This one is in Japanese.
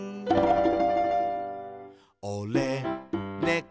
「おれ、ねこ」